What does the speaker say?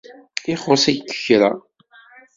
ixuṣ-itt kra